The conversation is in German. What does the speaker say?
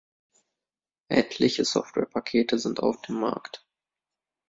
Etliche Software-Pakete sind auf dem Markt.